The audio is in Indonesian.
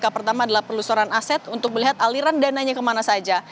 pertama adalah penelusuran aset untuk melihat aliran dananya kemana saja